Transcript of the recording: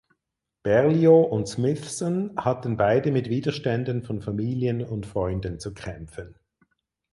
Berlioz und Smithson hatten beide mit Widerständen von Familien und Freunden zu kämpfen.